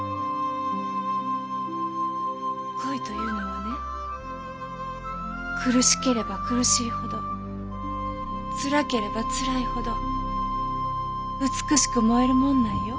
恋というのはね苦しければ苦しいほどつらければつらいほど美しく燃えるもんなんよ。